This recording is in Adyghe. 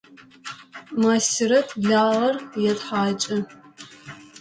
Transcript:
Масирэт лагъэр етхьакӏы.